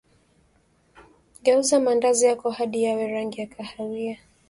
geuza maandazi yako hadi yawe na rangi ya kahawia